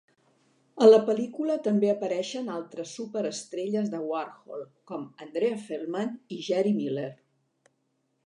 A la pel·lícula també apareixen altres superestrelles de Warhol, com Andrea Feldman i Geri Miller.